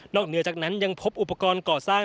เหนือจากนั้นยังพบอุปกรณ์ก่อสร้าง